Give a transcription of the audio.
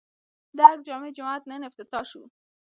د ارګ جامع جومات نن افتتاح شو